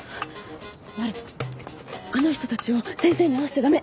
なるあの人たちを先生に会わせちゃ駄目。